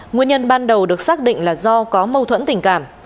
nguyên nhân ban đầu được xác định là do có mâu thuẫn tình cảm